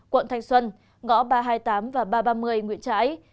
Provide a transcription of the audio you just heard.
quận thanh xuân ngõ ba trăm hai mươi tám và ba trăm ba mươi nguyễn trãi